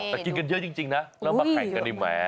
แต่กินกันเยอะจริงนะแล้วมาแข่งกันนี่แหม